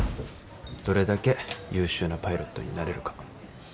どれだけ優秀なパイロットになれるか。